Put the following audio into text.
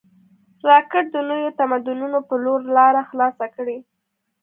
راکټ د نویو تمدنونو په لور لاره خلاصه کړې